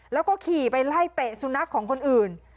แล้วก็ขี่ไปไล่เตะสุนัขของคนอื่น